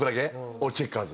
俺チェッカーズ。